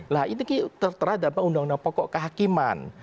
nah itu terhadap undang undang pokok kehakiman